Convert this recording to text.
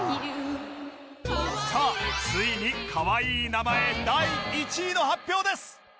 さあついにかわいい名前第１位の発表です